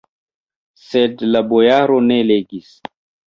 Sed la bojaro ne legis.